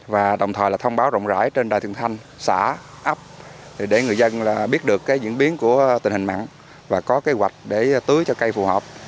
và đồng thời là thông báo rộng rãi trên đài thượng thanh xã ấp để người dân biết được cái diễn biến của tình hình mặn và có kế hoạch để tưới cho cây phù hợp